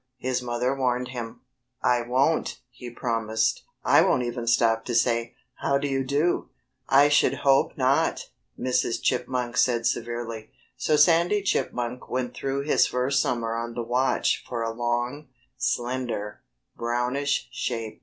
his mother warned him. "I won't!" he promised. "I won't even stop to say, 'How do you do!'" "I should hope not!" Mrs. Chipmunk said severely. So Sandy Chipmunk went through his first summer on the watch for a long, slender, brownish shape.